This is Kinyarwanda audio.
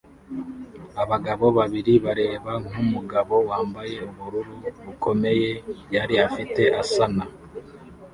Abagabo babiri bareba nkumugabo wambaye ubururu bukomeye yari afite asana